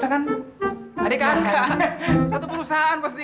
gak ada uangnya